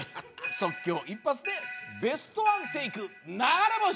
即興一発でベストワンテイク流れ星☆